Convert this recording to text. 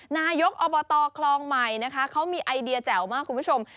นายกอบตคลองใหม่นะคะเขามีไอเดียแจ๋วมากคุณผู้ชม